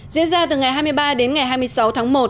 giết ra từ ngày hai mươi ba đến hai mươi sáu tháng một